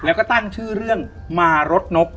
แล้วก็ตั้งชื่อเรื่องมารถนก